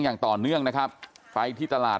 อย่างต่อเนื่องนะครับไปที่ตลาด